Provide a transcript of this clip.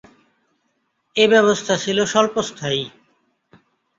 এ ব্যবস্থা ছিল স্বল্পস্থায়ী।